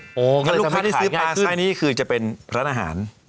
อ๋อถ้าลูกค้าที่ซื้อปลาใส่นี้คือจะเป็นร้านอาหาร